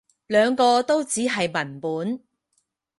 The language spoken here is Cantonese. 兩個都只係文本